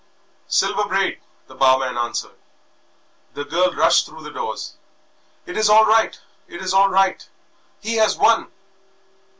"Silver Braid," the barman answered. The girl rushed through the doors. "It is all right, it is all right; he has won!"